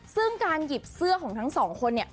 ซึ่งการหยิบเสื้อของทั้งสองคนเนี่ย